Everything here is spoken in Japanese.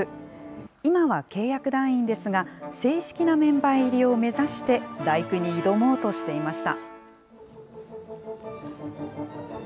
今は契約団員ですが、正式なメンバー入りを目指して、第九に挑もうとしていました。